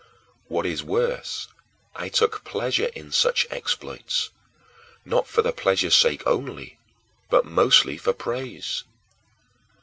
What is worse, I took pleasure in such exploits, not for the pleasure's sake only but mostly for praise.